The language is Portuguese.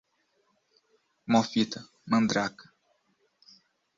mó fita, mandraka